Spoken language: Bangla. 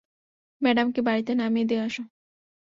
ম্যাডামকে বাড়ীতে নামিয়ে দিয়ে আসো।